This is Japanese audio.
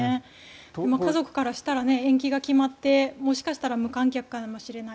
家族からしたら延期が決まってもしかしたら無観客かもしれない。